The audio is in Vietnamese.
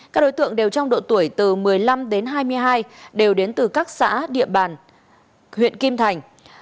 các đối tượng đều trong độ tuổi từ một mươi năm đến hai mươi hai đều đến từ các xã địa bàn huyện kim thành